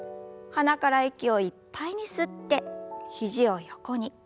鼻から息をいっぱいに吸って肘を横に。